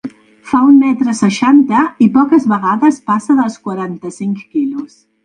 Fa un metre seixanta i poques vegades passa dels quaranta-cinc quilos.